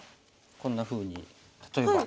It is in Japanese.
こんなふうに例えば。